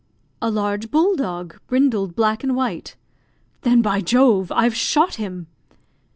"A large bull dog, brindled black and white." "Then, by Jove, I've shot him!"